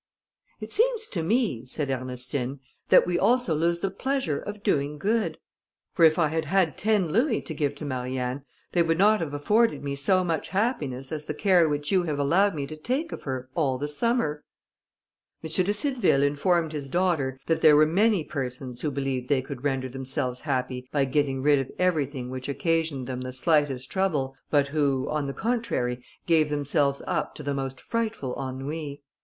"It seems to me," said Ernestine, "that we also lose the pleasure of doing good; for if I had had ten louis to give to Marianne, they would not have afforded me so much happiness as the care which you have allowed me to take of her all the summer." M. de Cideville informed his daughter, that there were many persons who believed they could render themselves happy by getting rid of everything which occasioned them the slightest trouble, but who, on the contrary, gave themselves up to the most frightful ennui.